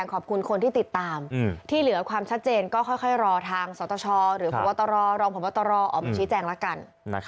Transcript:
ก็ต้องรอทางสตชหรือพตรรองค์พตรอบุชิแจงละกัน